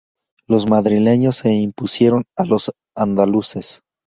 Los madrileños se impusieron a los andaluces.